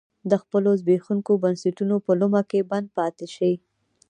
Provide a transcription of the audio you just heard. د خپلو زبېښونکو بنسټونو په لومه کې بند پاتې شي.